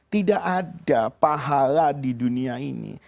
tidak ada pahala di dunia ini